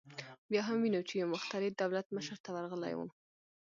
بیا هم وینو چې یو مخترع دولت مشر ته ورغلی و